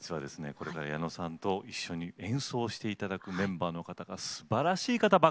これから矢野さんと一緒に演奏していただくメンバーの方がすばらしい方ばっかなんですよ。